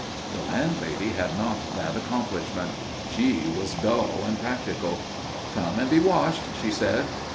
The landlady had not that accomplishment. She was dull and practical. "Come and be washed," she said.